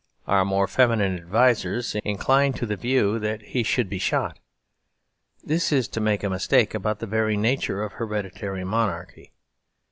Our more feminine advisers incline to the view that he should be shot. This is to make a mistake about the very nature of hereditary monarchy.